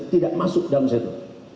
tidak masuk dalam setor